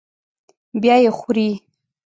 بیا یې خوري.